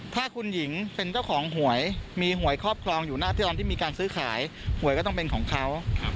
ถ้าคุณหญิงเป็นเจ้าของหวยมีหวยครอบครองอยู่หน้าที่ตอนที่มีการซื้อขายหวยก็ต้องเป็นของเขา